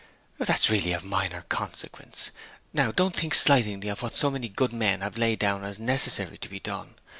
'That's really of minor consequence. Now, don't think slightingly of what so many good men have laid down as necessary to be done.